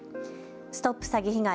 ＳＴＯＰ詐欺被害！